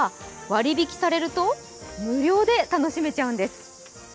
割引されると無料で楽しめちゃうんです。